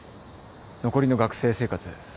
残りの学生生活